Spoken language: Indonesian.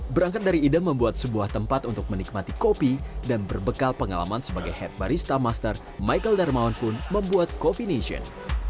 berangkat dari ide membuat sebuah tempat untuk menikmati kopi dan berbekal pengalaman sebagai head barista master michael darmawan pun membuat coffee nation